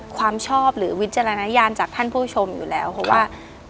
ความชอบหรือวิจารณญาณจากท่านผู้ชมอยู่แล้วเพราะว่า